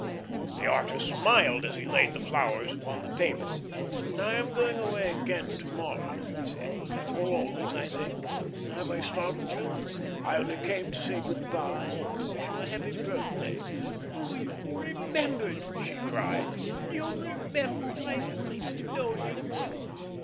The artist smiled as he laid the flowers upon the table. "I am going away again to morrow," he said, "for always, I think. Have I startled you? I only came to say good by and to wish you a happy birthday." "Oh you remembered!" she cried. "You remembered! I might have known you would."